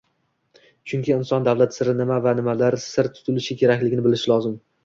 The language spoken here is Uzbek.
Chunki inson davlat siri nima va nimalar sir tutilishi kerakligini bilishi lozim.